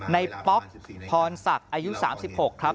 ป๊อกพรศักดิ์อายุ๓๖ครับ